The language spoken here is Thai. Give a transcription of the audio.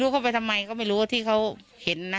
เข้าไปทำไมก็ไม่รู้ว่าที่เขาเห็นนะ